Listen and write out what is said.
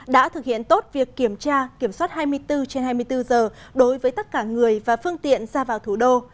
đã thực hiện tốt việc kiểm tra kiểm soát hai mươi bốn trên hai mươi bốn giờ đối với tất cả người và phương tiện ra vào thủ đô